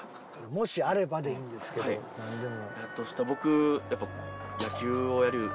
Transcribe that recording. もしあればでいいんですけど何でも。